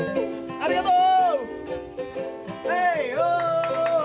ありがとう！